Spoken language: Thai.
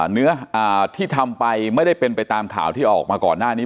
เนื้อที่ทำไปไม่ได้เป็นไปตามข่าวที่ออกมาก่อนหน้านี้